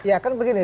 ya kan begini